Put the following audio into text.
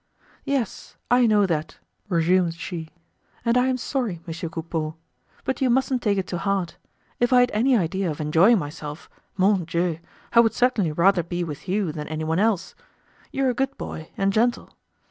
"Yes, I know that," resumed she, "and I am sorry, Monsieur Coupeau. But you mustn't take it to heart. If I had any idea of enjoying myself, mon Dieu!, I would certainly rather be with you than anyone else. You're a good boy and gentle.